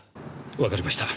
わかりました。